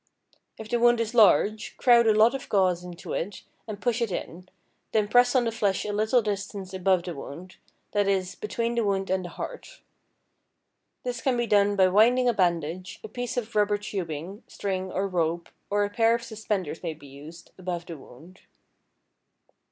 If the wound is large, crowd a lot of gauze into it, and push it in, then press on the flesh a little distance above the wound, that is, between the wound and the heart. This can be done by winding a bandage, a piece of rubber tubing, string, or rope, or a pair of suspenders may be used, above the wound.